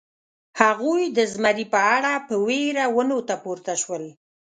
هغوی د زمري په اړه په وېره ونو ته پورته شول.